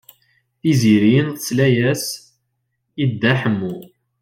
Tiziri tesla-as i Dda Ḥemmu.